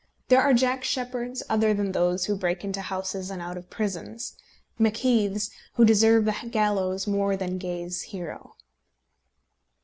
There are Jack Sheppards other than those who break into houses and out of prisons, Macheaths, who deserve the gallows more than Gay's hero.